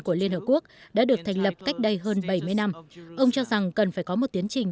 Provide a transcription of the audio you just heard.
của liên hợp quốc đã được thành lập cách đây hơn bảy mươi năm ông cho rằng cần phải có một tiến trình